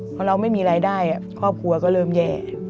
พอเราไม่มีรายได้ครอบครัวก็เริ่มแย่